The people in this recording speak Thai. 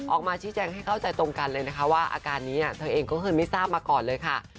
ออกมาชิเจ้งให้เข้าใจตรงกันเลยอาการนี้เธอเองก็คือไม่ทราบมาก่อนเลยค่ะ